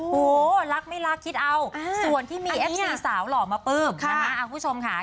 โหรักไม่รักคิดเอาส่วนที่มีเอฟซีสาวหล่อมาปลื้มนะคะคุณผู้ชมค่ะ